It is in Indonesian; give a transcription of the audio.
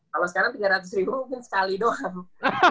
kalau sekarang tiga ratus ribu mungkin sekali doang